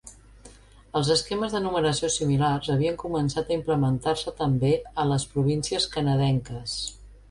Els esquemes de numeració similars havien començat a implementar-se també a les províncies canadenques.